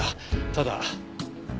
ただ？